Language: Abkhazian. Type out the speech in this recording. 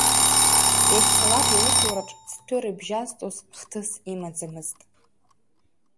Иахьцалак, иусураҿ цҭәы рыбжьазҵоз хҭыс имаӡамызт.